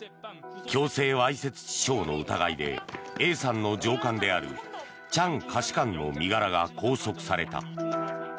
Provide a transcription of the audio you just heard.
強制わいせつ致傷の疑いでＡさんの上官であるチャン下士官の身柄が拘束された。